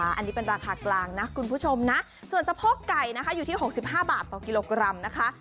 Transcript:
อันนี้เป็นราคากลางนะคุณผู้ชมนะส่วนสะโพกไก่นะคะอยู่ที่๖๕บาทต่อกิโลกรัมนะคะ